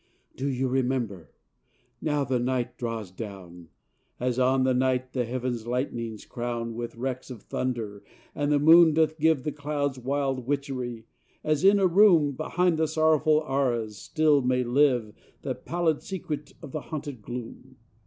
Do you remember? now the night draws down, As on that night, the heavens, lightnings crown With wrecks of thunder; and the moon doth give The clouds wild witchery, as in a room, Behind the sorrowful arras, still may live The pallid secret of the haunted gloom.